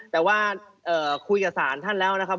แต่ว่าคุยกับศาลท่านแล้วนะครับ